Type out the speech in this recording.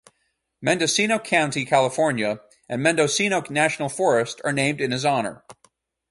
Mendocino County, California and Mendocino National Forest are named in his honor.